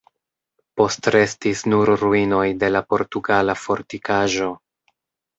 Postrestis nur ruinoj de la portugala fortikaĵo.